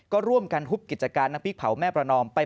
ก็ร่วมกันฮุบกิจการน้ำพริกเผาแม่ประนอม